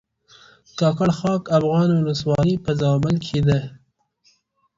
کاکړ خاک افغان ولسوالۍ په زابل کښې ده